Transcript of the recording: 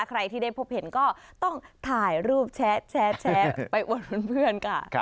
ใครที่ได้พบเห็นก็ต้องถ่ายรูปแช๊แช๊แช๊ไปอวดผู้เพื่อน